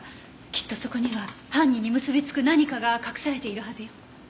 きっとそこには犯人に結びつく何かが隠されているはずよ。